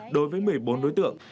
đối với một mươi bốn đối tượng